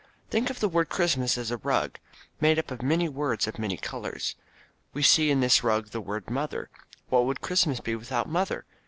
Think of this word Christmas as a rug, made up of many words of many colors. We see in this rug the word "mother." What would Christmas be without mother!